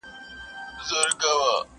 اوس به دې خپل وي آینده به ستا وي؛